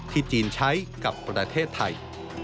จีนใช้กับประเทศไทย